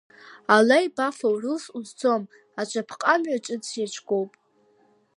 Ала еибафа урылс узцома аҿаԥҟа-мҩа ҿыц иаҿгоуп.